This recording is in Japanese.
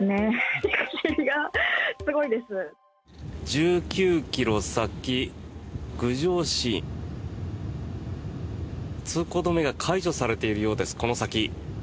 １９ｋｍ先、郡上市通行止めが解除されているようですこの先。